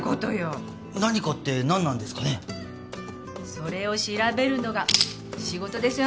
それを調べるのが仕事でしょ！